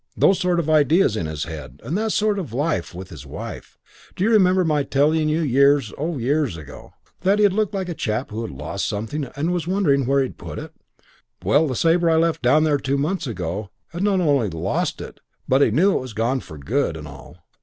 Those sort of ideas in his head and that sort of life with his wife. D'you remember my telling you years oh, years ago that he looked like a chap who'd lost something and was wondering where he'd put it? Well, the Sabre I left down there two months ago had not only lost it, but knew it was gone for good and all.